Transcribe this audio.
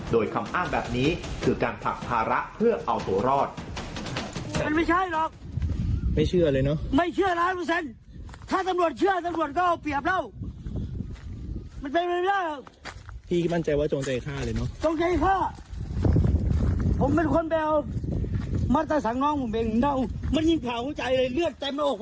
โดยคำอ้างแบบนี้คือการผลักภาระเพื่อเอาตัวรอด